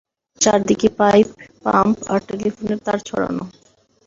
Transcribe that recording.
চারদিকে pipe, pump আর টেলিফোনের তার ছড়ানো।